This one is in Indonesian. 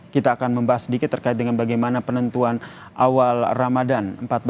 kita akan membahas sedikit terkait dengan bagaimana penentuan awal ramadhan